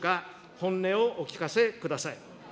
本音をお聞かせください。